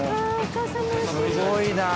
すごいなあ！